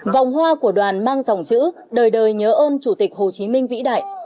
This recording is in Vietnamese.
vòng hoa của đoàn mang dòng chữ đời đời nhớ ơn chủ tịch hồ chí minh vĩ đại